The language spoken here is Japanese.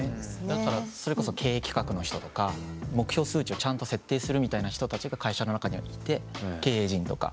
だからそれこそ経営企画の人とか目標数値をちゃんと設定するみたいな人たちが会社の中にはいて経営陣とか。